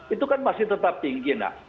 itu kan masih tetap tinggi